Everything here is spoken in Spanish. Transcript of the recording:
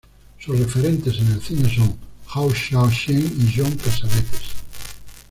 Sus referentes en el cine son Hou Hsiao-Hsien y John Cassavetes.